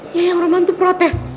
ya yang roman tuh protes